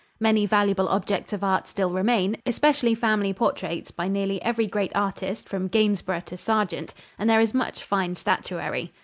Many valuable objects of art still remain, especially family portraits by nearly every great artist from Gainsborough to Sargent, and there is much fine statuary.